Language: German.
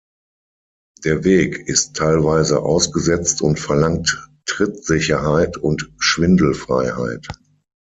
Der Weg ist teilweise ausgesetzt und verlangt Trittsicherheit und Schwindelfreiheit.